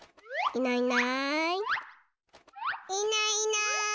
いないいない。